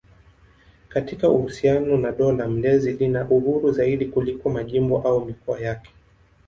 Katika uhusiano na dola mlezi lina uhuru zaidi kuliko majimbo au mikoa yake.